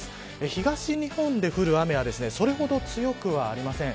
東日本で降る雨はそれほど強くはありません。